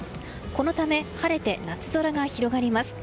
このため、晴れて夏空が広がります。